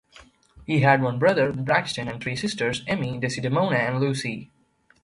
He had one brother, Braxton and three sisters, Emmy, Desdemona and Lucy.